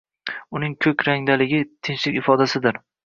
Uning ko‘k rangdaligi tinchlik ifodasidir